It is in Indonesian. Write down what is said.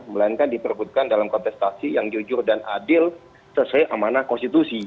melainkan diperbutkan dalam kontestasi yang jujur dan adil sesuai amanah konstitusi